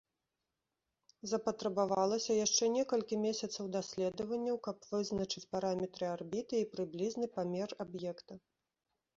Запатрабавалася яшчэ некалькі месяцаў даследаванняў, каб вызначыць параметры арбіты і прыблізны памер аб'екта.